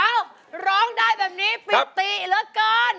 เอ้าร้องได้แบบนี้ปิตติละกัน